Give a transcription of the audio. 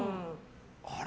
あれ？